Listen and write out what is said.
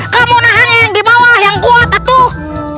kamu nahan yang dibawah yang kuat atuh